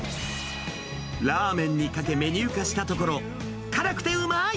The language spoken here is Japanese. ラーメンにかけ、メニュー化したところ、辛くてうまい！